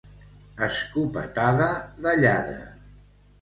Escopetada de lladre.